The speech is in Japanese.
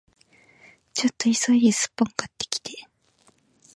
ちょっと急いでスッポン買ってきて